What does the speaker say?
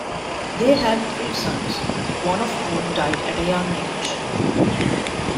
They had three sons, one of whom died at a young age.